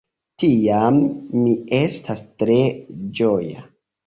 Tiam mi estas tre ĝoja.